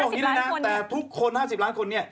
ก็ต้องคิดแล้วนะแต่ทุกคน๕๐ล้านคนเนี่ย